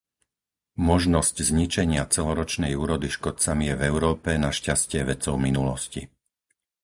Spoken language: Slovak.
Možnosť zničenia celoročnej úrody škodcami je v Európe našťastie vecou minulosti.